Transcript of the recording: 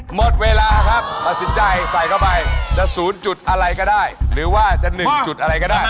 หมดเวลาครับตัดสินใจใส่เข้าไปจะ๐จุดอะไรก็ได้หรือว่าจะ๑จุดอะไรก็ได้